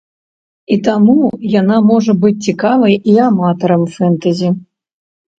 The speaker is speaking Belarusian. І таму яна можа быць цікавай і аматарам фэнтэзі.